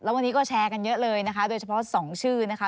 วันนี้ก็แชร์กันเยอะเลยนะคะโดยเฉพาะ๒ชื่อนะคะ